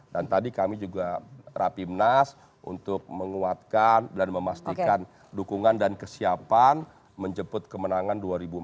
dan tadi kami juga rapimnas untuk menguatkan dan memastikan dukungan dan kesiapan menjemput kemenangan dua ribu empat dua ribu sembilan